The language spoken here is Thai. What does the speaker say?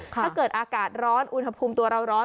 ถ้าเกิดอากาศร้อนอุณหภูมิตัวเราร้อน